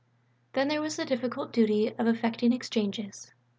Then there was the difficult duty of effecting exchanges.